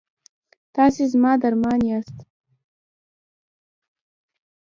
تاسې زما درمان یاست؟